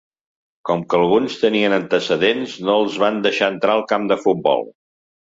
Com que alguns tenien antecedents, no els van deixar entrar al camp de futbol.